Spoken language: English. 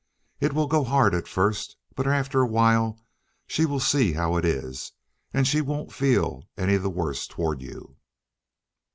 It will go hard at first, but after a while she will see how it is, and she won't feel any the worse toward you."